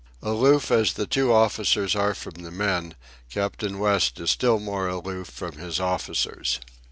Aloof as the two officers are from the men, Captain West is still more aloof from his officers.